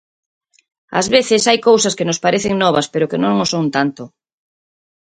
Ás veces hai cousas que nos parecen novas pero que non o son tanto.